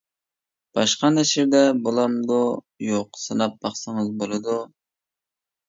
باشقا نەشرىدە بولامدۇ-يوق سىناپ باقسىڭىز بولىدۇ.